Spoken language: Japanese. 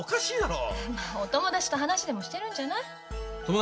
お友達と話でもしてるんじゃない？